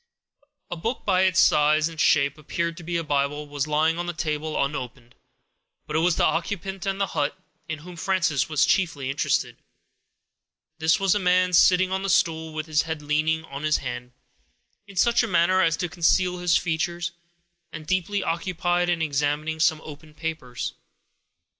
A book, that by its size and shape, appeared to be a Bible, was lying on the table, unopened. But it was the occupant of the hut in whom Frances was chiefly interested. This was a man, sitting on the stool, with his head leaning on his hand, in such a manner as to conceal his features, and deeply occupied in examining some open papers.